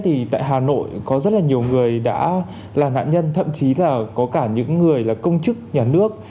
thì tại hà nội có rất là nhiều người đã là nạn nhân thậm chí là có cả những người là công chức nhà nước